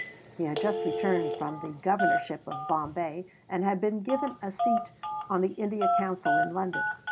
He had just returned from the governorship of Bombay, and had been given a seat on the India Council in London.